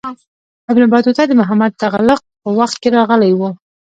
ابن بطوطه د محمد تغلق په وخت کې راغلی و.